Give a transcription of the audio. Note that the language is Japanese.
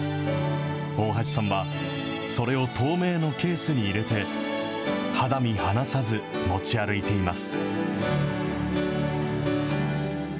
大橋さんは、それを透明のケースに入れて、肌身離さず持ち歩いています。